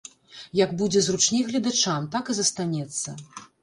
Як будзе зручней гледачам, так і застанецца.